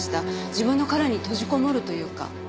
自分の殻に閉じこもるというか。